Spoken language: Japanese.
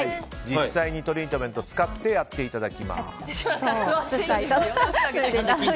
実際にトリートメントを使ってやっていただきます。